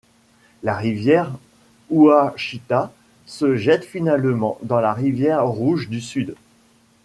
La rivière Ouachita se jette finalement dans la Rivière Rouge du Sud.